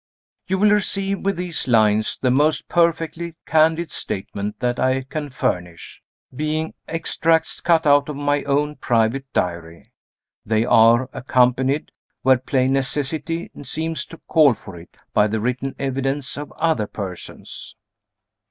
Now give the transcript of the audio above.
You will receive, with these lines, the most perfectly candid statement that I can furnish, being extracts cut out of my own private Diary. They are accompanied (where plain necessity seems to call for it) by the written evidence of other persons.